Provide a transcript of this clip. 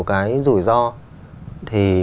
cái rủi ro thì